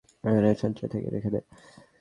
এগুলো আমার সঞ্চয় থেকে, রেখে দে।